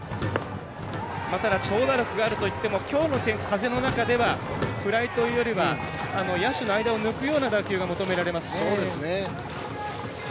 ただ、長打力があるといってもきょうの風の中ではフライというよりは野手の間を抜くような打球が求められますね。